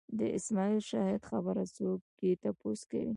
د اسماعیل شاهد خبره څوک یې تپوس کوي